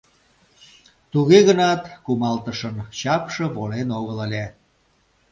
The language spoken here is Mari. Туге гынат кумалтышын чапше волен огыл ыле.